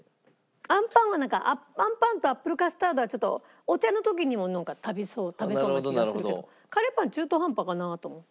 あんパンはなんかあんパンとアップルカスタードはちょっとお茶の時にも食べそうな気がするけどカレーパンは中途半端かなと思って。